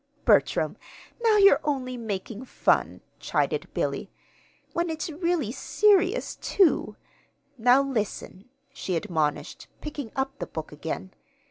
"Bertram! Now you're only making fun," chided Billy; "and when it's really serious, too. Now listen," she admonished, picking up the book again.